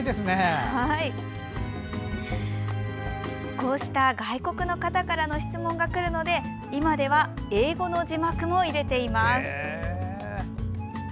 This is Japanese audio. こうした外国の方からの質問がくるので今では英語の字幕も入れています。